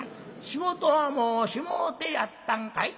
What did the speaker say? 仕事はもうしもうてやったんかい？」。